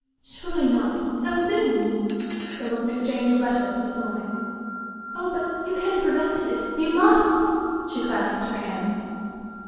"Surely not so soon!" "There was an exchange of letters this morning." "Oh, but you can prevent it you must!" She clasped her hands.